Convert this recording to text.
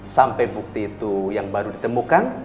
sampai bukti itu yang baru ditemukan